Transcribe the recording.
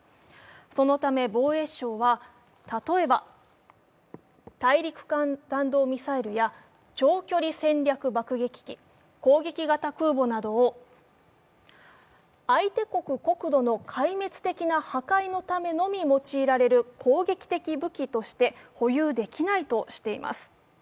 そのため防衛省は、例えば大陸間弾道ミサイルや長距離戦略爆撃機攻撃型の空母などを相手国国土の壊滅的な破壊のためにのみ用いられる攻撃的武器として保有できないとしています。